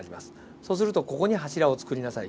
そうするとここに柱を作りなさい。